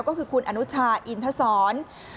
ก็คือคุณอนุชาอินทศร